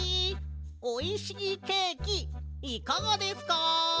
おいしいケーキいかがですか？